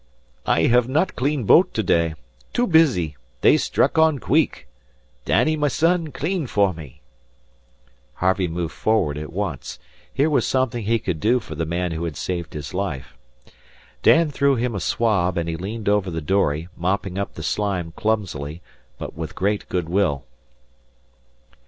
"I have not cleaned boat to day. Too busy. They struck on queek. Danny, my son, clean for me." Harvey moved forward at once. Here was something he could do for the man who had saved his life. Dan threw him a swab, and he leaned over the dory, mopping up the slime clumsily, but with great good will.